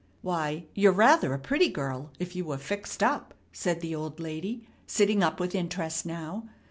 "Why, you're rather a pretty girl if you were fixed up," said the old lady, sitting up with interest now.